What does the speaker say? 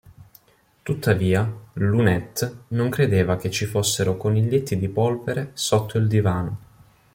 Tuttavia, Loonette non credeva che ci fossero coniglietti di polvere sotto il divano.